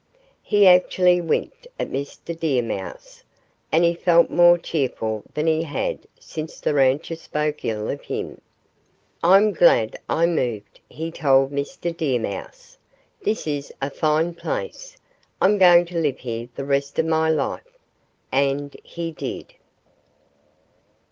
He actually winked at Mr. Deer Mouse. And he felt more cheerful than he had since the rancher spoke ill of him. "I'm glad I moved," he told Mr. Deer Mouse. "This is a fine place. I'm going to live here the rest of my life." And he did.